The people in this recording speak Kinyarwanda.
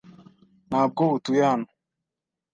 Ntabwo utuye hano?